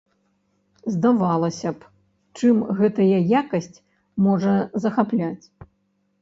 Здавалася б, чым гэтая якасць можа захапляць?